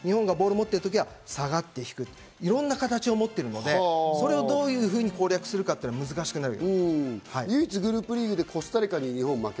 日本がボールを持ってる時は下がって引くといろんな形を持っているので、それをどんなふうに攻略するのかが難しくなってくる。